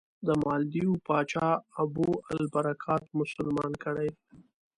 د مالدیو پاچا ابوالبرکات مسلمان کړی.